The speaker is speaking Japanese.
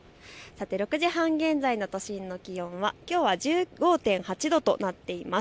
６時半現在の都心の気温はきょうは１５．８度となっています。